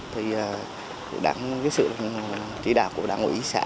thì sự chỉ đạo của đảng ủy xã